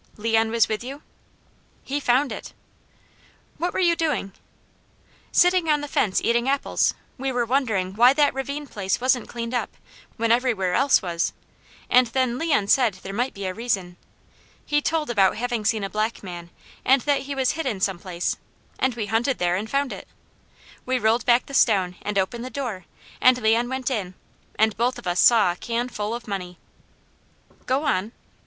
"Leon was with you?" "He found it." "What were you doing?" "Sitting on the fence eating apples. We were wondering why that ravine place wasn't cleaned up, when everywhere else was, and then Leon said there might be a reason. He told about having seen a black man, and that he was hidden some place, and we hunted there and found it. We rolled back the stone, and opened the door, and Leon went in, and both of us saw a can full of money." "Go on."